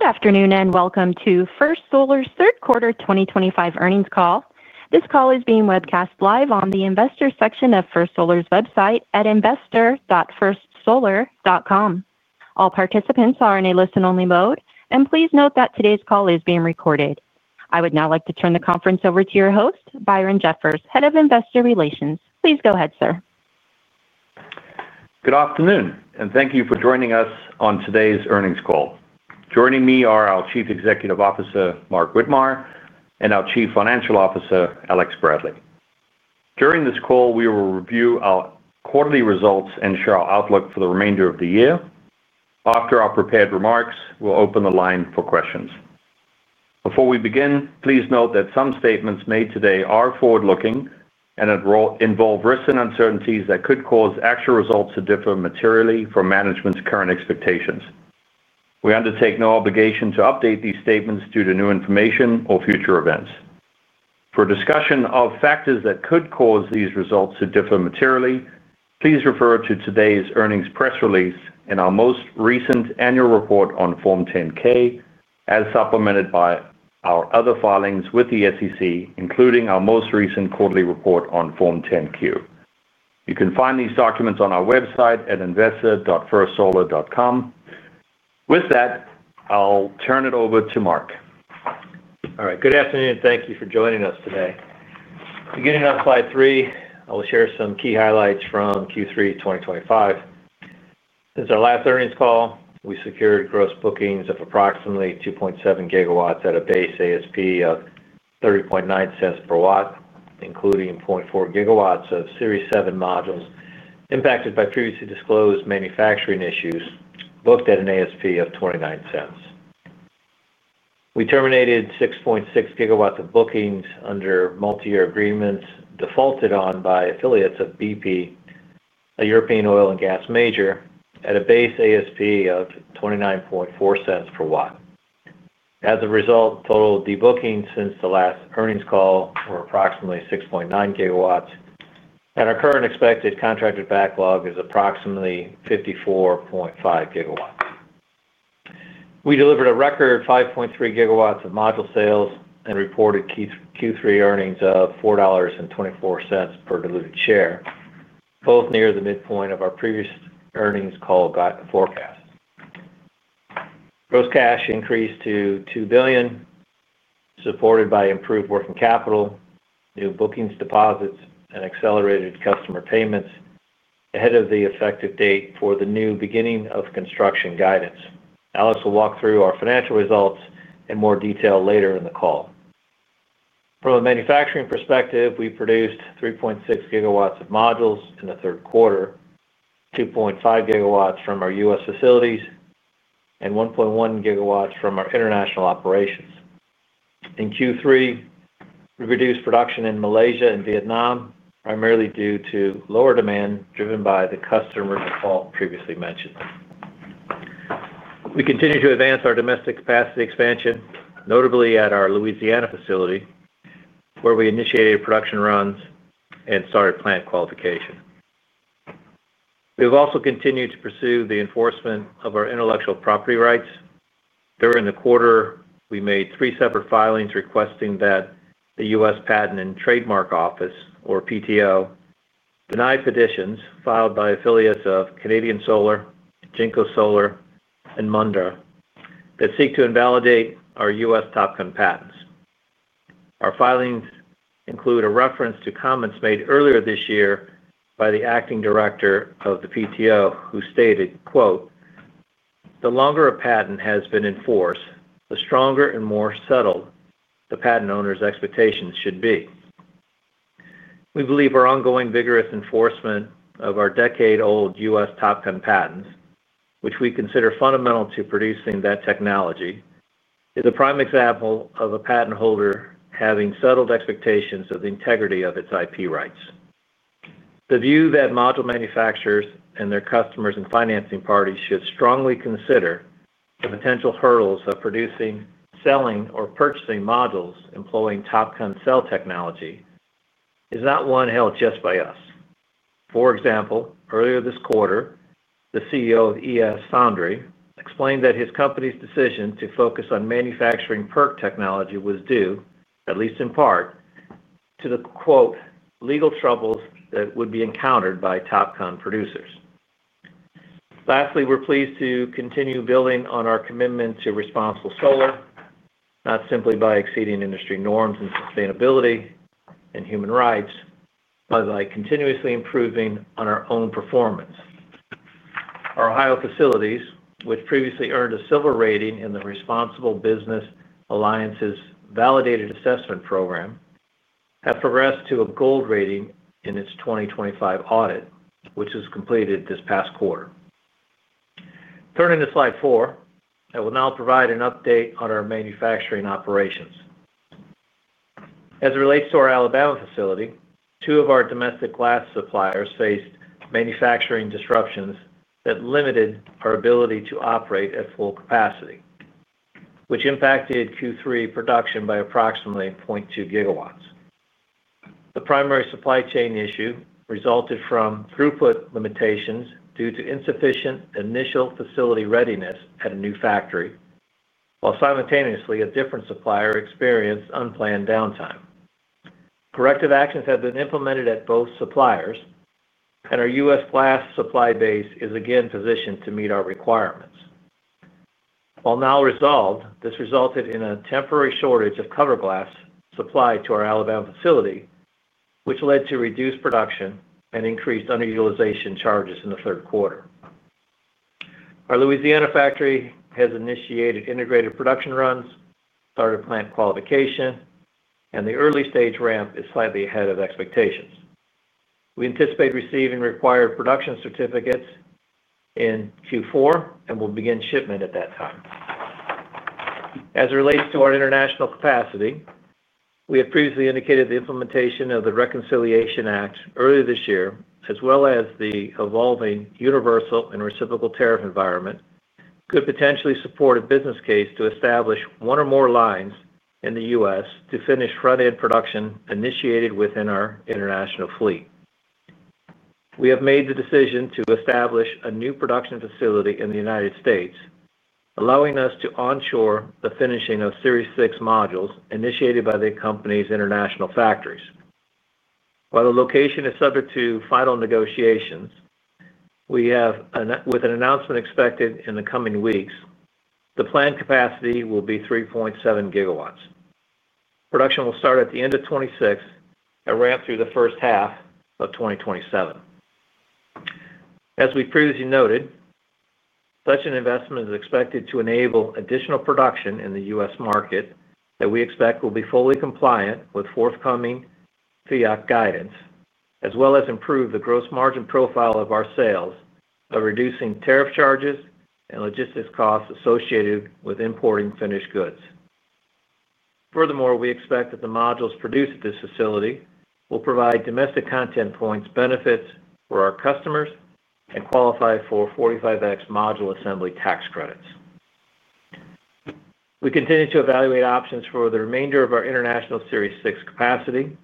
Good afternoon and welcome to First Solar's Third Quarter 2025 Earnings Call. This call is being webcast live on the investor section of First Solar's website at investor.firstsolar.com. All participants are in a listen-only mode, and please note that today's call is being recorded. I would now like to turn the conference over to your host, Byron Jeffers, Head of Investor Relations. Please go ahead, sir. Good afternoon, and thank you for joining us on today's earnings call. Joining me are our Chief Executive Officer, Mark Widmar, and our Chief Financial Officer, Alex Bradley. During this call, we will review our quarterly results and share our outlook for the remainder of the year. After our prepared remarks, we'll open the line for questions. Before we begin, please note that some statements made today are forward-looking and involve risk and uncertainties that could cause actual results to differ materially from management's current expectations. We undertake no obligation to update these statements due to new information or future events. For discussion of factors that could cause these results to differ materially, please refer to today's earnings press release and our most recent annual report on Form 10-K, as supplemented by our other filings with the SEC, including our most recent quarterly report on Form 10-Q. You can find these documents on our website at investor.firstsolar.com. With that, I'll turn it over to Mark. All right. Good afternoon, and thank you for joining us today. Beginning on slide three, I will share some key highlights from Q3 2025. Since our last earnings call, we secured gross bookings of approximately 2.7 GW at a base ASP of $0.309 per watt, including 0.4 GW of Series 7 modules impacted by previously disclosed manufacturing issues, booked at an ASP of $0.29. We terminated 6.6 GW of bookings under multi-year agreements defaulted on by affiliates of BP, a European oil and gas major, at a base ASP of $0.294 per watt. As a result, total debookings since the last earnings call were approximately 6.9 gigawatts, and our current expected contracted backlog is approximately 54.5 GW. We delivered a record 5.3 GW of module sales and reported Q3 earnings of $4.24 per diluted share, both near the midpoint of our previous earnings call forecast. Gross cash increased to $2 billion, supported by improved working capital, new bookings deposits, and accelerated customer payments ahead of the effective date for the new beginning of construction guidance. Alex will walk through our financial results in more detail later in the call. From a manufacturing perspective, we produced 3.6 GW of modules in the third quarter, 2.5 GW from our U.S. facilities, and 1.1 GW from our international operations. In Q3, we reduced production in Malaysia and Vietnam, primarily due to lower demand driven by the customer call previously mentioned. We continue to advance our domestic capacity expansion, notably at our Louisiana facility, where we initiated production runs and started plant qualification. We have also continued to pursue the enforcement of our intellectual property rights. During the quarter, we made three separate filings requesting that the U.S. Patent and Trademark Office, or PTO, deny petitions filed by affiliates of Canadian Solar, JinkoSolar, and Mundra that seek to invalidate our U.S. TOPCon patents. Our filings include a reference to comments made earlier this year by the Acting Director of the PTO, who stated, "The longer a patent has been in force, the stronger and more settled the patent owner's expectations should be." We believe our ongoing vigorous enforcement of our decade-old U.S. TOPCon patents, which we consider fundamental to producing that technology, is a prime example of a patent holder having settled expectations of the integrity of its IP rights. The view that module manufacturers and their customers and financing parties should strongly consider the potential hurdles of producing, selling, or purchasing modules employing TOPCon cell technology is not one held just by us. For example, earlier this quarter, the CEO of ES Foundry explained that his company's decision to focus on manufacturing PERC technology was due, at least in part, to the "legal troubles that would be encountered by TOPCon producers." Lastly, we're pleased to continue building on our commitment to responsible solar, not simply by exceeding industry norms in sustainability and human rights, but by continuously improving on our own performance. Our Ohio facilities, which previously earned a silver rating in the Responsible Business Alliance's Validated Assessment Program, have progressed to a gold rating in its 2025 audit, which was completed this past quarter. Turning to slide four, I will now provide an update on our manufacturing operations. As it relates to our Alabama facility, two of our domestic glass suppliers faced manufacturing disruptions that limited our ability to operate at full capacity, which impacted Q3 production by approximately 0.2 GW. The primary supply chain issue resulted from throughput limitations due to insufficient initial facility readiness at a new factory, while simultaneously a different supplier experienced unplanned downtime. Corrective actions have been implemented at both suppliers, and our U.S. glass supply base is again positioned to meet our requirements. While now resolved, this resulted in a temporary shortage of cover glass supplied to our Alabama facility, which led to reduced production and increased underutilization charges in the third quarter. Our Louisiana factory has initiated integrated production runs, started plant qualification, and the early stage ramp is slightly ahead of expectations. We anticipate receiving required production certificates in Q4 and will begin shipment at that time. As it relates to our international capacity, we have previously indicated the implementation of the Reconciliation Act earlier this year, as well as the evolving universal and reciprocal tariff environment, could potentially support a business case to establish one or more lines in the U.S. to finish front-end production initiated within our international fleet. We have made the decision to establish a new production facility in the United States, allowing us to onshore the finishing of Series 6 modules initiated by the company's international factories. While the location is subject to final negotiations, with an announcement expected in the coming weeks, the planned capacity will be 3.7 GW. Production will start at the end of 2026 and ramp through the first half of 2027. As we previously noted, such an investment is expected to enable additional production in the U.S. market that we expect will be fully compliant with forthcoming FEOC guidance, as well as improve the gross margin profile of our sales by reducing tariff charges and logistics costs associated with importing finished goods. Furthermore, we expect that the modules produced at this facility will provide domestic content points benefits for our customers and qualify for 45X module assembly tax credits. We continue to evaluate options for the remainder of our international Series 6 capacity,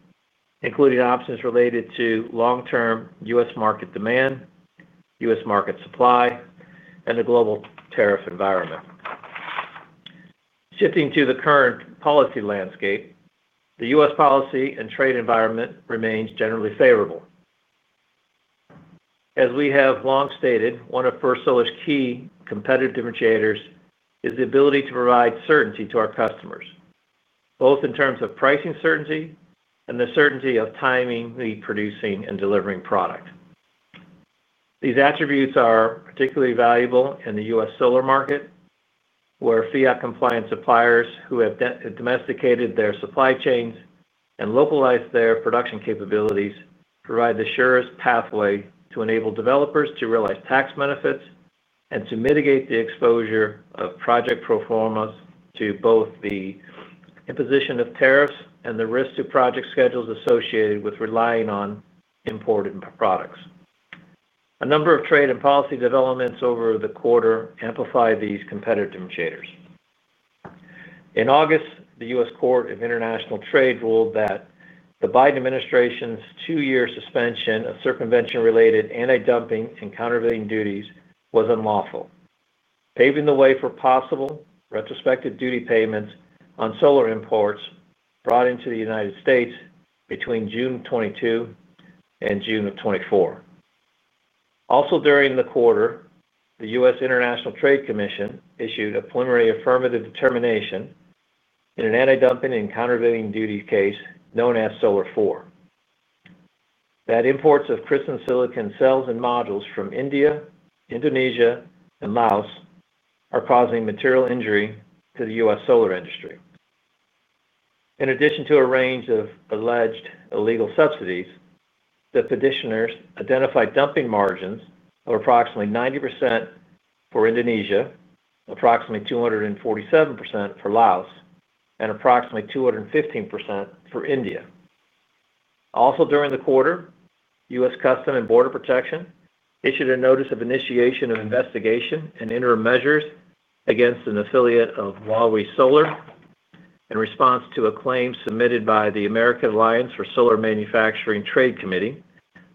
including options related to long-term U.S. market demand, U.S. market supply, and the global tariff environment. Shifting to the current policy landscape, the U.S. policy and trade environment remains generally favorable. As we have long stated, one of First Solar's key competitive differentiators is the ability to provide certainty to our customers, both in terms of pricing certainty and the certainty of timing the producing and delivering product. These attributes are particularly valuable in the U.S. solar market, where FEOC-compliant suppliers who have domesticated their supply chains and localized their production capabilities provide the surest pathway to enable developers to realize tax benefits and to mitigate the exposure of project proformas to both the imposition of tariffs and the risk to project schedules associated with relying on imported products. A number of trade and policy developments over the quarter amplify these competitive differentiators. In August, the U.S. Court of International Trade ruled that the Biden administration's two-year suspension of circumvention-related anti-dumping and countervailing duties was unlawful, paving the way for possible retrospective duty payments on solar imports brought into the United States between June 2022 and June of 2024. Also during the quarter, the U.S. International Trade Commission issued a preliminary affirmative determination in an anti-dumping and countervailing duty case known as Solar 4. That imports of crystal silicon cells and modules from India, Indonesia, and Laos are causing material injury to the U.S. solar industry. In addition to a range of alleged illegal subsidies, the petitioners identified dumping margins of approximately 90% for Indonesia, approximately 247% for Laos, and approximately 215% for India. Also during the quarter, U.S. Customs and Border Protection issued a notice of initiation of investigation and interim measures against an affiliate of Waaree Solar in response to a claim submitted by the American Alliance for Solar Manufacturing Trade Committee,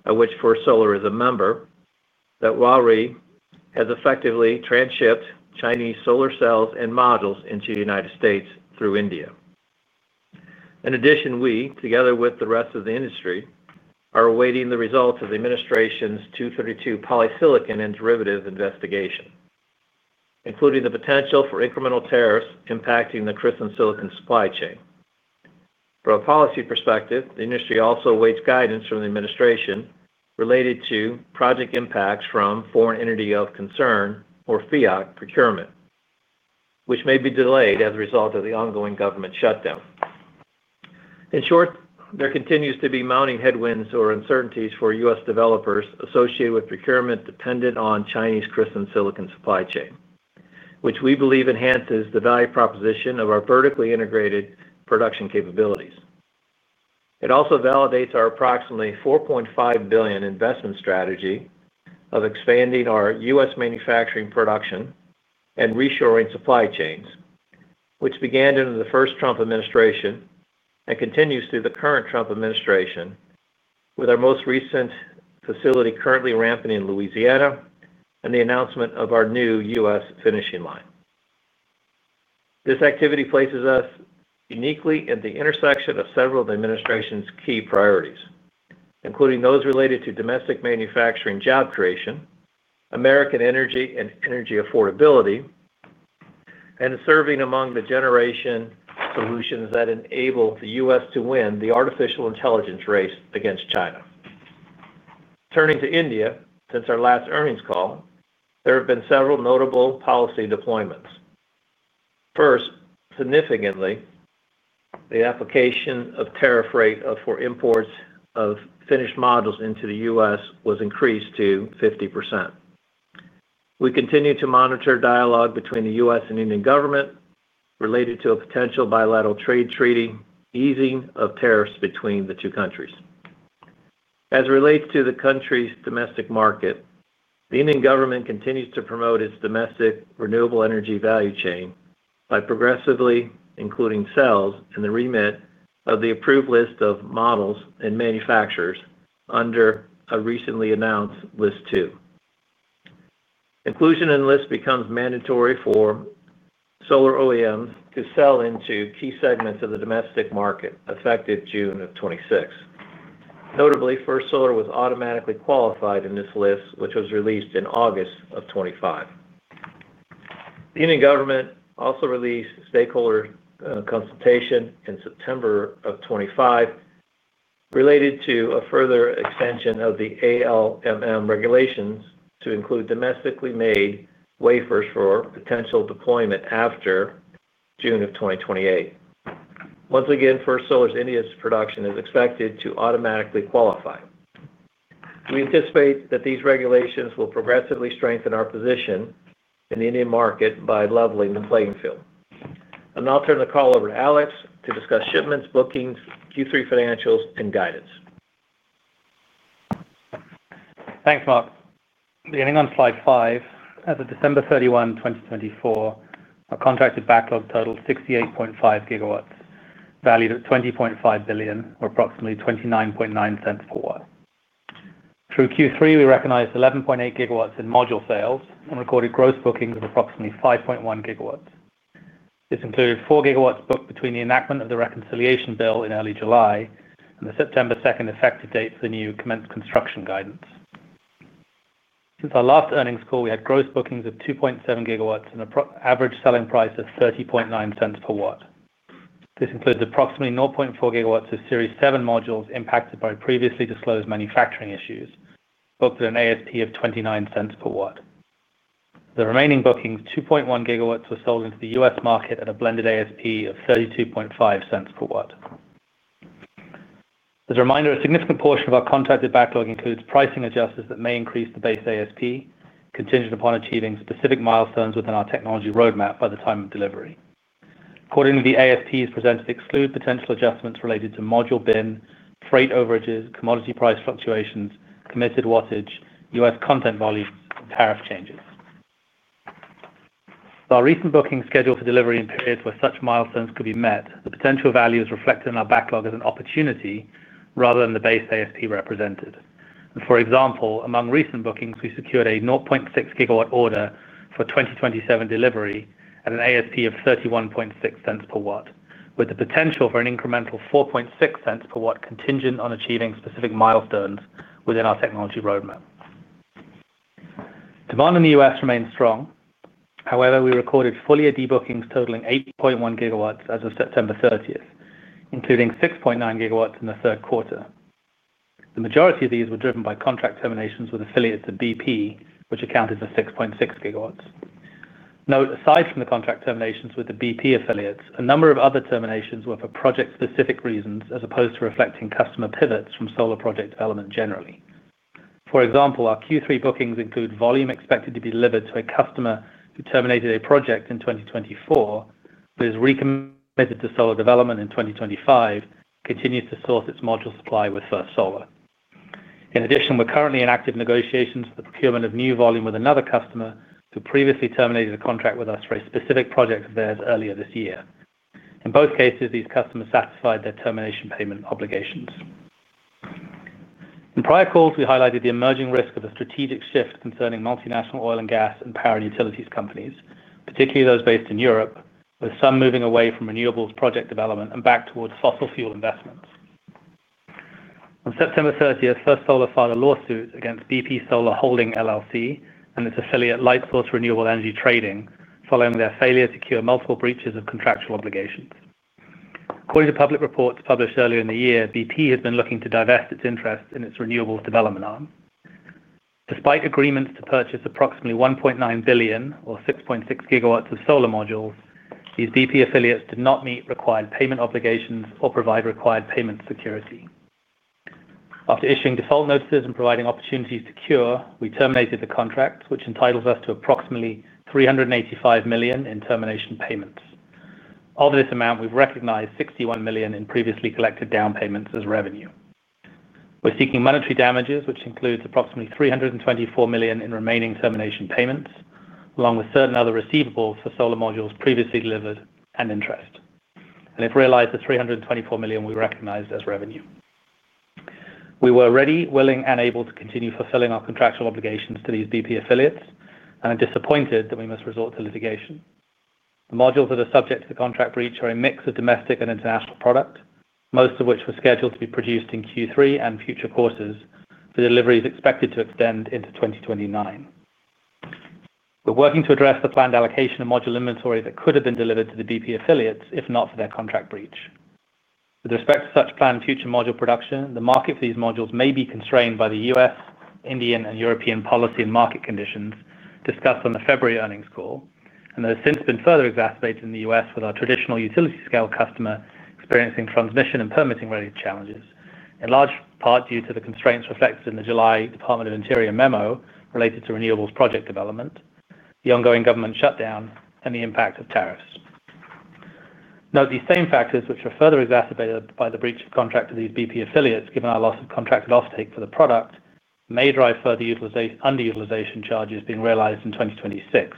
of which First Solar is a member, that Waaree has effectively transshipped Chinese solar cells and modules into the United States through India. In addition, we, together with the rest of the industry, are awaiting the results of the administration's 232 polysilicon and derivative investigation, including the potential for incremental tariffs impacting the crystal silicon supply chain. From a policy perspective, the industry also awaits guidance from the administration related to project impacts from foreign entity of concern, or FEOC procurement, which may be delayed as a result of the ongoing government shutdown. In short, there continues to be mounting headwinds or uncertainties for U.S. developers associated with procurement dependent on Chinese crystal silicon supply chain, which we believe enhances the value proposition of our vertically integrated production capabilities. It also validates our approximately $4.5 billion investment strategy of expanding our U.S. manufacturing production and reshoring supply chains, which began under the first Trump administration and continues through the current Trump administration, with our most recent facility currently ramping in Louisiana and the announcement of our new U.S. finishing line. This activity places us uniquely at the intersection of several of the administration's key priorities, including those related to domestic manufacturing job creation, American energy and energy affordability, and serving among the generation solutions that enable the U.S. to win the artificial intelligence race against China. Turning to India, since our last earnings call, there have been several notable policy deployments. First, significantly, the application of tariff rate for imports of finished modules into the U.S. was increased to 50%. We continue to monitor dialogue between the U.S. and Indian government. Related to a potential bilateral trade treaty easing of tariffs between the two countries. As it relates to the country's domestic market, the Indian government continues to promote its domestic renewable energy value chain by progressively including cells in the remit of the approved list of models and manufacturers under a recently announced LIST-II. Inclusion in the list becomes mandatory for solar OEMs to sell into key segments of the domestic market effective June of 2026. Notably, First Solar was automatically qualified in this list, which was released in August of 2025. The Indian government also released stakeholder consultation in September of 2025 related to a further extension of the ALMM regulations to include domestically made wafers for potential deployment after June of 2028. Once again, First Solar's India production is expected to automatically qualify. We anticipate that these regulations will progressively strengthen our position in the Indian market by leveling the playing field. I'll turn the call over to Alex to discuss shipments, bookings, Q3 financials, and guidance. Thanks, Mark. Beginning on slide five, as of December 31, 2024, our contracted backlog totaled 68.5 GW, valued at $20.5 billion, or approximately $0.299 per watt. Through Q3, we recognized 11.8 gigawatts in module sales and recorded gross bookings of approximately 5.1 GW. This included 4 GW booked between the enactment of the reconciliation bill in early July and the September 2nd effective date for the new commenced construction guidance. Since our last earnings call, we had gross bookings of 2.7 GW and an average selling price of $0.309 per watt. This includes approximately 0.4 gigawatts of Series 7 modules impacted by previously disclosed manufacturing issues, booked at an ASP of $0.29 per watt. The remaining bookings, 2.1 GW, were sold into the U.S. market at a blended ASP of $0.325 per watt. A significant portion of our contracted backlog includes pricing adjustments that may increase the base ASP, contingent upon achieving specific milestones within our technology roadmap by the time of delivery. Accordingly, the ASPs presented exclude potential adjustments related to module bin, freight overages, commodity price fluctuations, committed wattage, U.S. content volumes, and tariff changes. With our recent bookings scheduled for delivery in periods where such milestones could be met, the potential value is reflected in our backlog as an opportunity rather than the base ASP represented. For example, among recent bookings, we secured a 0.6 GW order for 2027 delivery at an ASP of $0.316 per watt, with the potential for an incremental $0.046 per watt contingent on achieving specific milestones within our technology roadmap. Demand in the U.S. remained strong. However, we recorded foliar debookings totaling 8.1 GW as of September 30, including 6.9 GW in the third quarter. The majority of these were driven by contract terminations with affiliates of BP, which accounted for 6.6 GW. Note, aside from the contract terminations with the BP affiliates, a number of other terminations were for project-specific reasons as opposed to reflecting customer pivots from solar project development generally. For example, our Q3 bookings include volume expected to be delivered to a customer who terminated a project in 2024 but is recommitted to solar development in 2025 and continues to source its module supply with First Solar. In addition, we're currently in active negotiations for the procurement of new volume with another customer who previously terminated a contract with us for a specific project of theirs earlier this year. In both cases, these customers satisfied their termination payment obligations. In prior calls, we highlighted the emerging risk of a strategic shift concerning multinational oil and gas and power and utilities companies, particularly those based in Europe, with some moving away from renewables project development and back towards fossil fuel investments. On September 30, First Solar filed a lawsuit against BP Solar Holding LLC and its affiliate, Light Source Renewable Energy Trading, following their failure to secure multiple breaches of contractual obligations. According to public reports published earlier in the year, BP had been looking to divest its interest in its renewables development arm. Despite agreements to purchase approximately $1.9 billion, or 6.6 GW, of solar modules, these BP affiliates did not meet required payment obligations or provide required payment security. After issuing default notices and providing opportunities to cure, we terminated the contract, which entitles us to approximately $385 million in termination payments. Of this amount, we've recognized $61 million in previously collected down payments as revenue. We're seeking monetary damages, which includes approximately $324 million in remaining termination payments, along with certain other receivables for solar modules previously delivered and interest. It realized the $324 million we recognized as revenue. We were ready, willing, and able to continue fulfilling our contractual obligations to these BP affiliates and are disappointed that we must resort to litigation. The modules that are subject to the contract breach are a mix of domestic and international product, most of which were scheduled to be produced in Q3 and future quarters. The delivery is expected to extend into 2029. We're working to address the planned allocation of module inventory that could have been delivered to the BP affiliates if not for their contract breach. With respect to such planned future module production, the market for these modules may be constrained by the U.S., Indian, and European policy and market conditions discussed on the February earnings call, and there has since been further exacerbation in the U.S. with our traditional utility-scale customer experiencing transmission and permitting-related challenges, in large part due to the constraints reflected in the July Department of Interior memo related to renewables project development, the ongoing government shutdown, and the impact of tariffs. Note these same factors, which are further exacerbated by the breach of contract of these BP affiliates, given our loss of contracted offtake for the product, may drive further underutilization charges being realized in 2026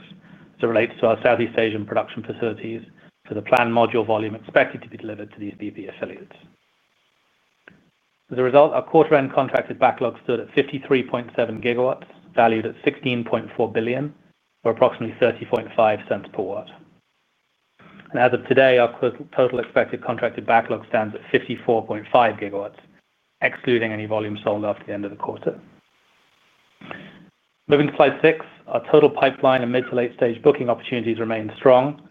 as it relates to our Southeast Asia production facilities for the planned module volume expected to be delivered to these BP affiliates. As a result, our quarter-end contracted backlog stood at 53.7 GW, valued at $16.4 billion, or approximately $0.305 per watt. As of today, our total expected contracted backlog stands at 54.5 GW, excluding any volume sold after the end of the quarter. Moving to slide six, our total pipeline and mid to late-stage booking opportunities remain strong,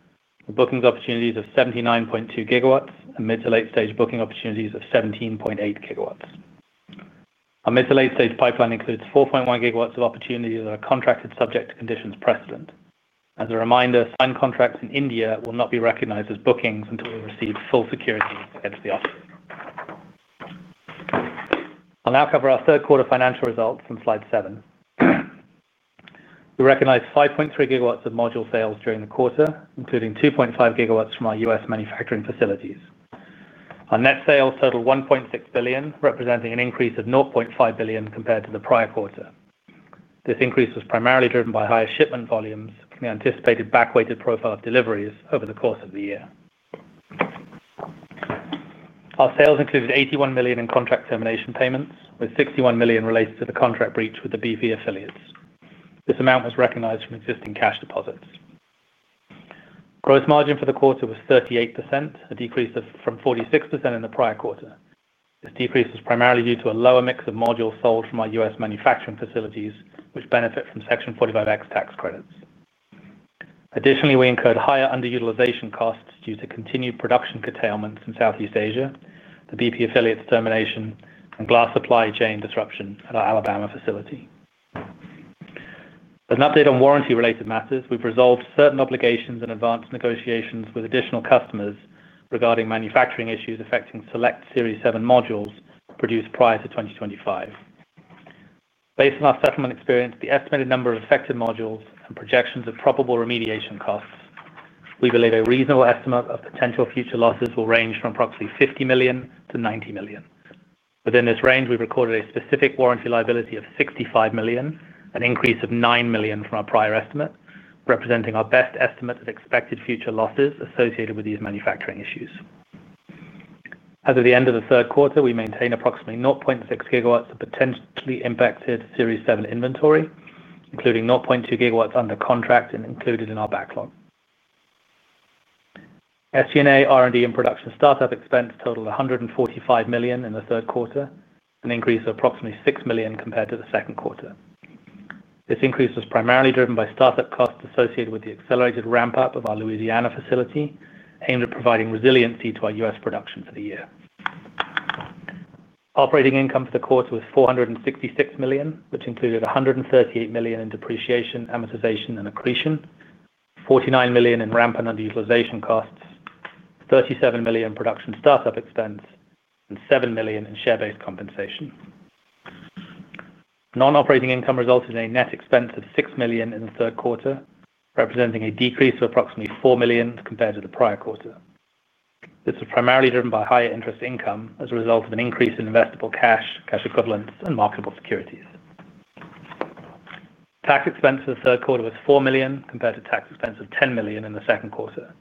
with bookings opportunities of 79.2 GW and mid to late-stage booking opportunities of 17.8 GW. Our mid to late-stage pipeline includes 4.1 GW of opportunities that are contracted subject to conditions precedent. As a reminder, signed contracts in India will not be recognized as bookings until we receive full security against the office. I'll now cover our third quarter financial results from slide seven. We recognized 5.3 GW of module sales during the quarter, including 2.5 GW from our U.S. manufacturing facilities. Our net sales totaled $1.6 billion, representing an increase of $0.5 billion compared to the prior quarter. This increase was primarily driven by higher shipment volumes and the anticipated backweighted profile of deliveries over the course of the year. Our sales included $81 million in contract termination payments, with $61 million related to the contract breach with the BP affiliates. This amount was recognized from existing cash deposits. Gross margin for the quarter was 38%, a decrease from 46% in the prior quarter. This decrease was primarily due to a lower mix of modules sold from our U.S. manufacturing facilities, which benefit from Section 45X tax credits. Additionally, we incurred higher underutilization costs due to continued production curtailment in Southeast Asia, the BP affiliate's termination, and glass supply chain disruption at our Alabama facility. As an update on warranty-related matters, we've resolved certain obligations in advanced negotiations with additional customers regarding manufacturing issues affecting select Series 7 modules produced prior to 2025. Based on our settlement experience, the estimated number of affected modules and projections of probable remediation costs, we believe a reasonable estimate of potential future losses will range from approximately $50 million to $90 million. Within this range, we've recorded a specific warranty liability of $65 million, an increase of $9 million from our prior estimate, representing our best estimate of expected future losses associated with these manufacturing issues. As of the end of the third quarter, we maintain approximately 0.6 gigawatts of potentially impacted Series 7 inventory, including 0.2 GW under contract and included in our backlog. SG&A, R&D, and production startup expense totaled $145 million in the third quarter, an increase of approximately $6 million compared to the second quarter. This increase was primarily driven by startup costs associated with the accelerated ramp-up of our Louisiana facility, aimed at providing resiliency to our U.S. production for the year. Operating income for the quarter was $466 million, which included $138 million in depreciation, amortization, and accretion, $49 million in ramp-and-underutilization costs, $37 million in production startup expense, and $7 million in share-based compensation. Non-operating income resulted in a net expense of $6 million in the third quarter, representing a decrease of approximately $4 million compared to the prior quarter. This was primarily driven by higher interest income as a result of an increase in investable cash, cash equivalents, and marketable securities. Tax expense for the third quarter was $4 million compared to tax expense of $10 million in the second quarter.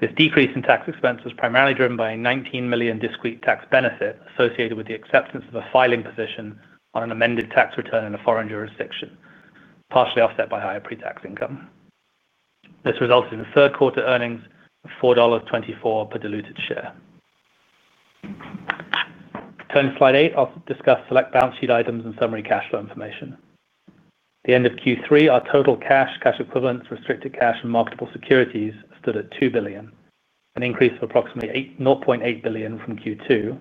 This decrease in tax expense was primarily driven by a $19 million discrete tax benefit associated with the acceptance of a filing position on an amended tax return in a foreign jurisdiction, partially offset by higher pre-tax income. This resulted in third-quarter earnings of $4.24 per diluted share. Turning to slide eight, I'll discuss select balance sheet items and summary cash flow information. At the end of Q3, our total cash, cash equivalents, restricted cash, and marketable securities stood at $2 billion, an increase of approximately $0.8 billion from Q2,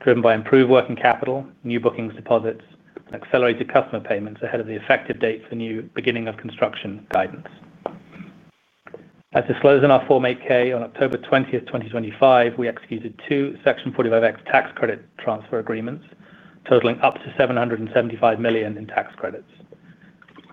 driven by improved working capital, new bookings deposits, and accelerated customer payments ahead of the effective date for new beginning-of-construction guidance. As disclosed in our Form 8-K on October 20, 2025, we executed two Section 45X tax credit transfer agreements totaling up to $775 million in tax credits.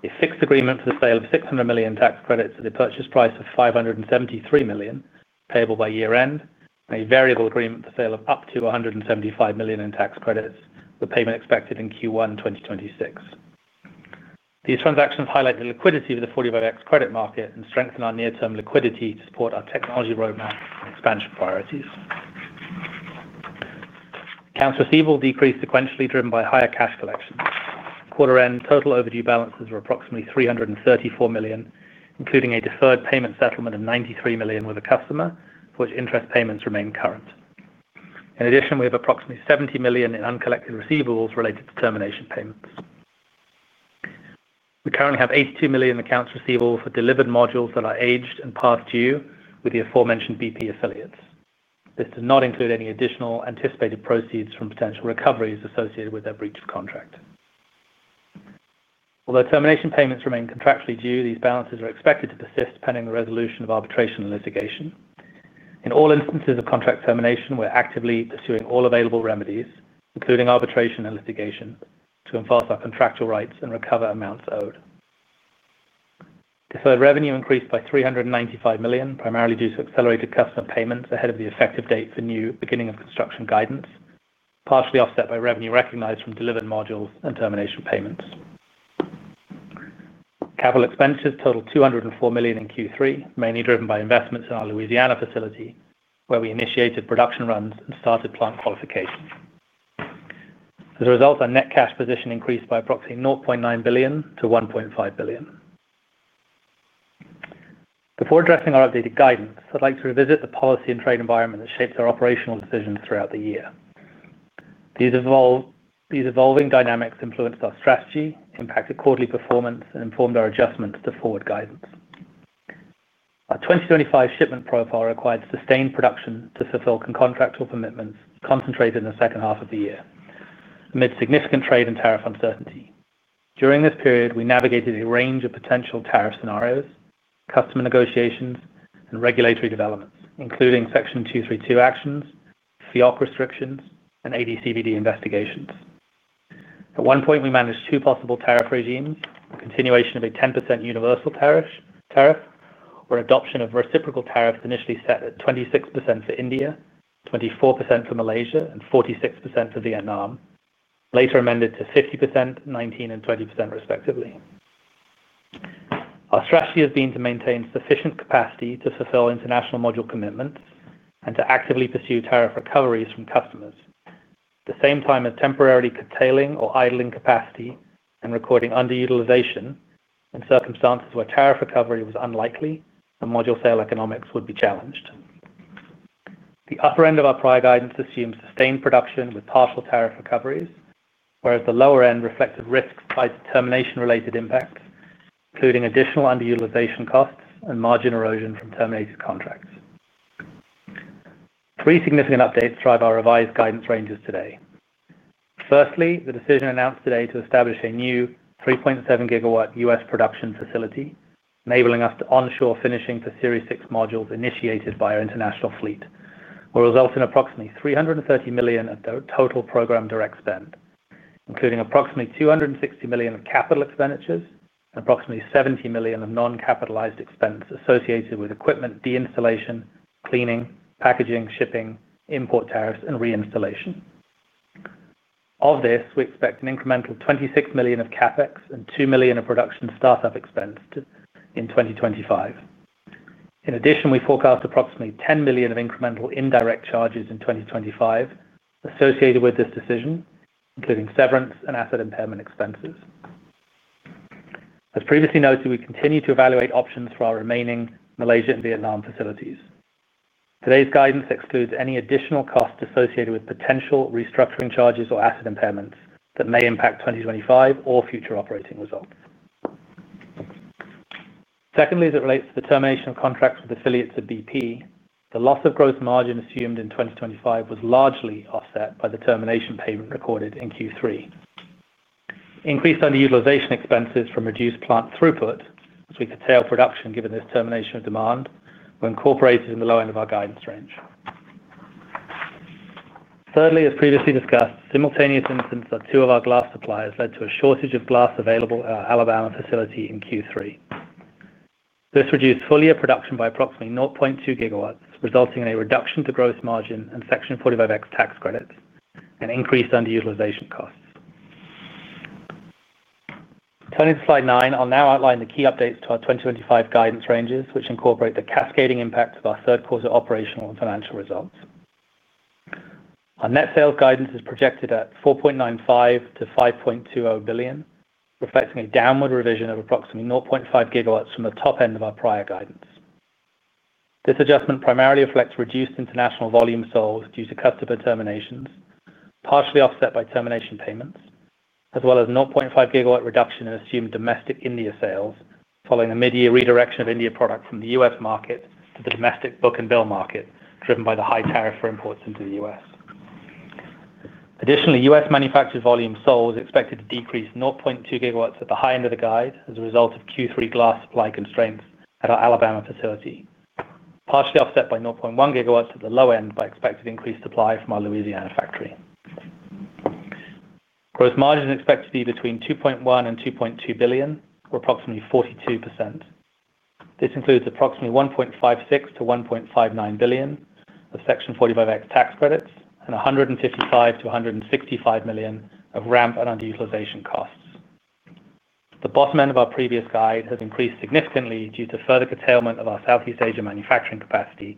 A fixed agreement for the sale of $600 million in tax credits at a purchase price of $573 million, payable by year-end, and a variable agreement for the sale of up to $175 million in tax credits, with payment expected in Q1 2026. These transactions highlight the liquidity of the 45X credit market and strengthen our near-term liquidity to support our technology roadmap and expansion priorities. Accounts receivable decreased sequentially, driven by higher cash collections. Quarter-end total overdue balances were approximately $334 million, including a deferred payment settlement of $93 million with a customer, for which interest payments remain current. In addition, we have approximately $70 million in uncollected receivables related to termination payments. We currently have $82 million in accounts receivable for delivered modules that are aged and past due with the aforementioned BP affiliates. This does not include any additional anticipated proceeds from potential recoveries associated with their breach of contract. Although termination payments remain contractually due, these balances are expected to persist pending the resolution of arbitration and litigation. In all instances of contract termination, we're actively pursuing all available remedies, including arbitration and litigation, to enforce our contractual rights and recover amounts owed. Deferred revenue increased by $395 million, primarily due to accelerated customer payments ahead of the effective date for new beginning-of-construction guidance, partially offset by revenue recognized from delivered modules and termination payments. Capital expenditures totaled $204 million in Q3, mainly driven by investments in our Louisiana facility, where we initiated production runs and started plant qualification. As a result, our net cash position increased by approximately $0.9 billion-$1.5 billion. Before addressing our updated guidance, I'd like to revisit the policy and trade environment that shaped our operational decisions throughout the year. These evolving dynamics influenced our strategy, impacted quarterly performance, and informed our adjustments to forward guidance. Our 2025 shipment profile required sustained production to fulfill contractual commitments concentrated in the second half of the year, amid significant trade and tariff uncertainty. During this period, we navigated a range of potential tariff scenarios, customer negotiations, and regulatory developments, including Section 232 actions, fiat restrictions, and AD/CVD investigations. At one point, we managed two possible tariff regimes: the continuation of a 10% universal tariff or adoption of reciprocal tariffs initially set at 26% for India, 24% for Malaysia, and 46% for Vietnam, later amended to 50%, 19%, and 20% respectively. Our strategy has been to maintain sufficient capacity to fulfill international module commitments and to actively pursue tariff recoveries from customers, at the same time as temporarily curtailing or idling capacity and recording underutilization in circumstances where tariff recovery was unlikely and module sale economics would be challenged. The upper end of our prior guidance assumed sustained production with partial tariff recoveries, whereas the lower end reflected risks by termination-related impacts, including additional underutilization costs and margin erosion from terminated contracts. Three significant updates drive our revised guidance ranges today. Firstly, the decision announced today to establish a new 3.7 GWU.S. production facility, enabling us to onshore finishing for Series 6 modules initiated by our international fleet, will result in approximately $330 million of total program direct spend, including approximately $260 million of capital expenditures and approximately $70 million of non-capitalized expense associated with equipment de-installation, cleaning, packaging, shipping, import tariffs, and reinstallation. Of this, we expect an incremental $26 million of CapEx and $2 million of production startup expense in 2025. In addition, we forecast approximately $10 million of incremental indirect charges in 2025 associated with this decision, including severance and asset impairment expenses. As previously noted, we continue to evaluate options for our remaining Malaysia and Vietnam facilities. Today's guidance excludes any additional costs associated with potential restructuring charges or asset impairments that may impact 2025 or future operating results. Secondly, as it relates to the termination of contracts with affiliates of BP, the loss of gross margin assumed in 2025 was largely offset by the termination payment recorded in Q3. Increased underutilization expenses from reduced plant throughput, which we could tail production given this termination of demand, were incorporated in the lower end of our guidance range. Thirdly, as previously discussed, simultaneous incidents at two of our glass suppliers led to a shortage of glass available at our Alabama facility in Q3. This reduced full-year production by approximately 0.2 gigawatts, resulting in a reduction to gross margin and Section 45X tax credits and increased underutilization costs. Turning to slide nine, I'll now outline the key updates to our 2025 guidance ranges, which incorporate the cascading impact of our third-quarter operational and financial results. Our net sales guidance is projected at $4.95 billion-$5.20 billion, reflecting a downward revision of approximately 0.5 GW from the top end of our prior guidance. This adjustment primarily reflects reduced international volume sold due to customer terminations, partially offset by termination payments, as well as a 0.5 GW reduction in assumed domestic India sales following a mid-year redirection of India product from the U.S. market to the domestic book and bill market, driven by the high tariff for imports into the U.S. Additionally, U.S. manufactured volume sold is expected to decrease 0.2 GW at the high end of the guide as a result of Q3 glass supply constraints at our Alabama facility, partially offset by 0.1 GW at the lower end by expected increased supply from our Louisiana factory. Gross margin is expected to be between $2.1 billion and $2.2 billion, or approximately 42%. This includes approximately $1.56 billion-$1.59 billion of Section 45X tax credits and $155 million-$165 million of ramp-and-underutilization costs. The bottom end of our previous guide has increased significantly due to further curtailment of our Southeast Asia manufacturing capacity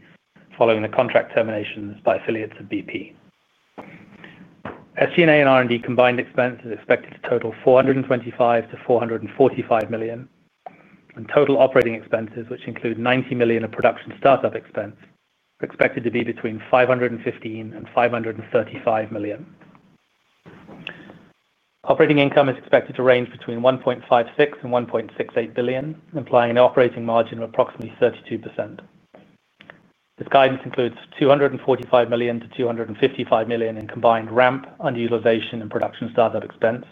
following the contract terminations by affiliates of BP. SG&A and R&D combined expenses are expected to total $425 million-$445 million, and total operating expenses, which include $90 million of production startup expense, are expected to be between $515 million and $535 million. Operating income is expected to range between $1.56 billion and $1.68 billion, implying an operating margin of approximately 32%. This guidance includes $245 million-$255 million in combined ramp-underutilization and production startup expense,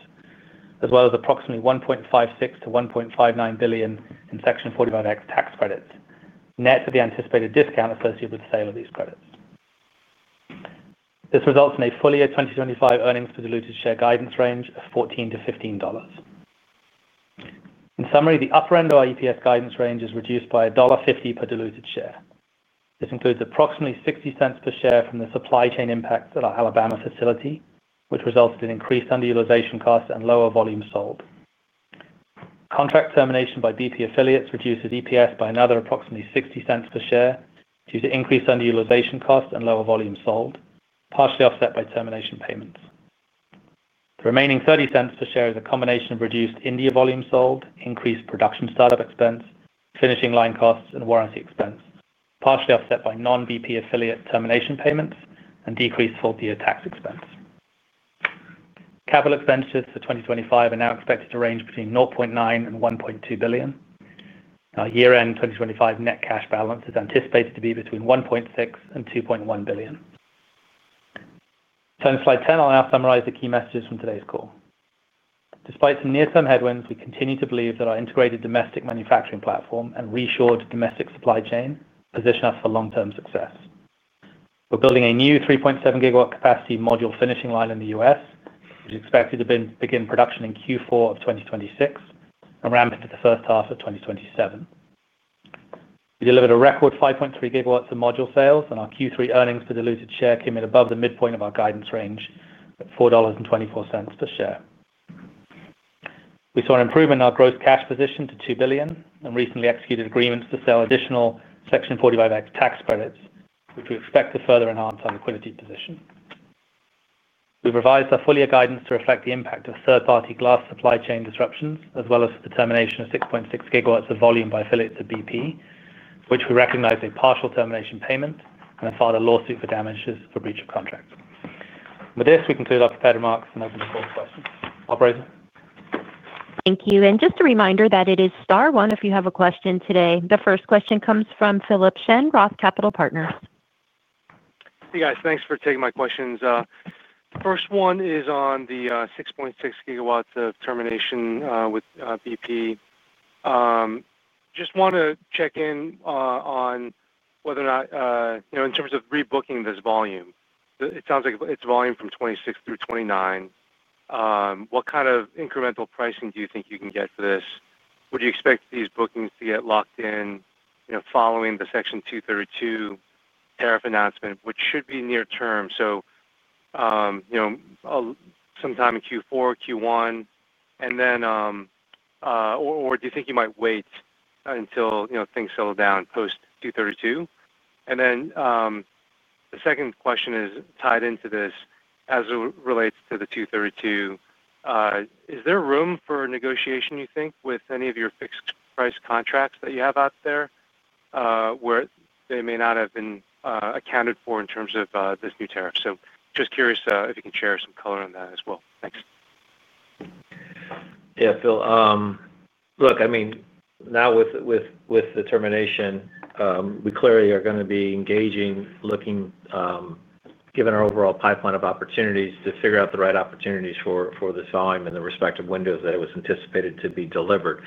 as well as approximately $1.56 billion-$1.59 billion in Section 45X tax credits, net of the anticipated discount associated with the sale of these credits. This results in a full-year 2025 earnings-per-diluted-share guidance range of $14-$15. In summary, the upper end of our EPS guidance range is reduced by $1.50 per diluted share. This includes approximately $0.60 per share from the supply chain impacts at our Alabama facility, which resulted in increased underutilization costs and lower volume sold. Contract termination by BP affiliates reduces EPS by another approximately $0.60 per share due to increased underutilization costs and lower volume sold, partially offset by termination payments. The remaining $0.30 per share is a combination of reduced India volume sold, increased production startup expense, finishing line costs, and warranty expense, partially offset by non-BP affiliate termination payments and decreased full-year tax expense. Capital expenditures for 2025 are now expected to range between $0.9 billion and $1.2 billion. Our year-end 2025 net cash balance is anticipated to be between $1.6 billion and $2.1 billion. Turning to slide 10, I'll now summarize the key messages from today's call. Despite some near-term headwinds, we continue to believe that our integrated domestic manufacturing platform and reshored domestic supply chain position us for long-term success. We're building a new 3.7 GW capacity module finishing line in the U.S., which is expected to begin production in Q4 of 2026 and ramp into the first half of 2027. We delivered a record 5.3 GW of module sales, and our Q3 earnings per diluted share came in above the midpoint of our guidance range at $4.24 per share. We saw an improvement in our gross cash position to $2 billion and recently executed agreements to sell additional Section 45X tax credits, which we expect to further enhance our liquidity position. We've revised our full-year guidance to reflect the impact of third-party glass supply chain disruptions, as well as the termination of 6.6 GW of volume by affiliates of BP, for which we recognize a partial termination payment and have filed a lawsuit for damages for breach of contract. With this, we conclude our prepared remarks and open to call questions. Operator. Thank you. Just a reminder that it is star one if you have a question today. The first question comes from Philip Shen, ROTH Capital Partners. Hey, guys. Thanks for taking my questions. The first one is on the 6.6 GW of termination with BP. Just want to check in on whether or not, in terms of rebooking this volume, it sounds like it's volume from 2026 through 2029. What kind of incremental pricing do you think you can get for this? Would you expect these bookings to get locked in following the Section 232 tariff announcement, which should be near term? Sometime in Q4, Q1, and then. Do you think you might wait until things settle down post-232? The second question is tied into this as it relates to the 232. Is there room for negotiation, you think, with any of your fixed-price contracts that you have out there where they may not have been accounted for in terms of this new tariff? Just curious if you can share some color on that as well. Thanks. Yeah, Phil. Look, I mean, now with the termination, we clearly are going to be engaging, looking. Given our overall pipeline of opportunities, to figure out the right opportunities for this volume and the respective windows that it was anticipated to be delivered,